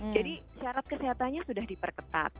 jadi syarat kesehatannya sudah diperketat